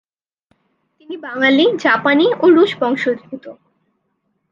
তিনি বাঙালী, জাপানি ও রুশ বংশোদ্ভূত।